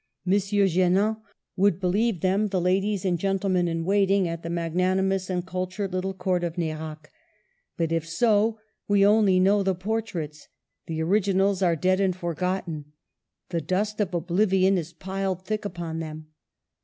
M. Genin would be lieve them the ladies and gentlemen in waiting at the magnanimous and cultured little Court of Nerac. But if so, we only know the portraits ; the originals are dead and forgotten ; the dust of oblivion is piled thick upon them.